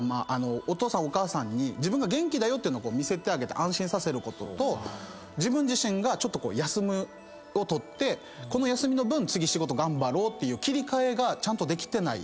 お父さんお母さんに自分が元気っていうのを見せてあげて安心させることと自分自身がちょっと休みを取って休みの分次仕事頑張ろうって切り替えがちゃんとできてない。